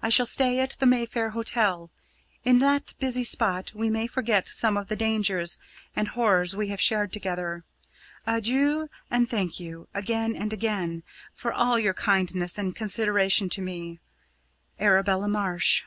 I shall stay at the Mayfair Hotel. In that busy spot we may forget some of the dangers and horrors we have shared together. Adieu, and thank you, again and again, for all your kindness and consideration to me. "ARABELLA MARSH."